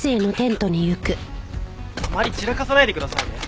あまり散らかさないでくださいね。